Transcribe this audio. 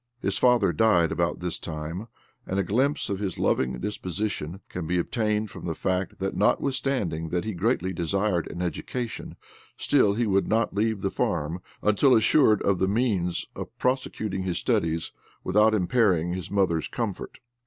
His father died about this time, and a glimpse of his loving disposition can be obtained from the fact that notwithstanding that he greatly desired an education, still he would not leave the farm until assured of the means of prosecuting his studies without impairing his mother's comfort.